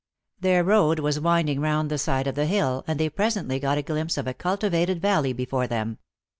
Their road was winding round the side of the hill, and they presently got a glimpse of a cultivated val ley before them.